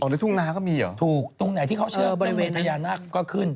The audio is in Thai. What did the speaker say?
อ๋อในทุ่งนาก็มีเหรอถูกตรงไหนที่เขาเชิญเออบริเวณนั้นก็ขึ้น